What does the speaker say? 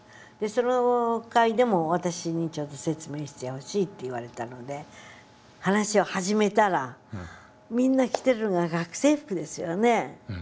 その会でも私に説明してほしいと言われたので話を始めたらみんな着てるのが学生服ですよね。